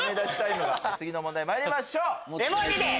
次の問題参りましょう。